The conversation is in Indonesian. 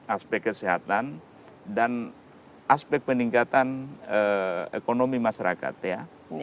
aspek kesehatan dan aspek peningkatan ekonomi masyarakat ya